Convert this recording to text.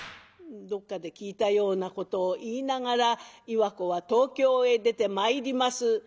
どっかで聞いたようなことを言いながら岩子は東京へ出てまいります。